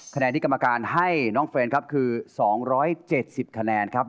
คะแนนที่กรรมการให้น้องเฟิร์นครับคือ๒๗๐คะแนนครับ